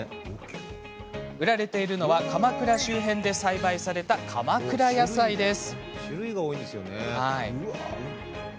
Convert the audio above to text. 売られているのは鎌倉周辺で栽培された鎌倉やさいです。